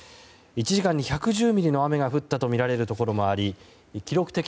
１時間に１１０ミリの雨が降ったとみられるところもあり記録的